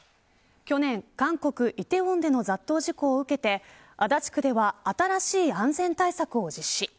去年、韓国、梨泰院での雑踏事故を受けて足立区では新しい安全対策を実施。